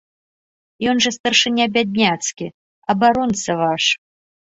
Ён жа старшыня бядняцкі, абаронца ваш.